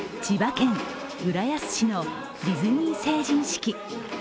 千葉県浦安市のディズニー成人式。